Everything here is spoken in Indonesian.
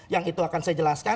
yang itu akan saya jelaskan